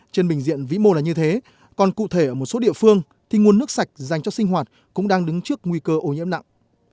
trên bình diện vĩ mô là như thế còn cụ thể ở một số địa phương thì nguồn nước sạch dành cho sinh hoạt cũng đang đứng trước nguy cơ ô nhiễm nặng